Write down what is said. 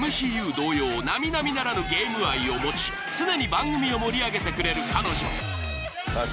同様並々ならぬゲーム愛を持ち常に番組を盛り上げてくれる彼女。